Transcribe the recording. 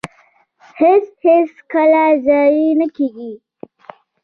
هڅه هیڅکله ضایع نه کیږي